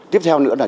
tiếp theo nữa là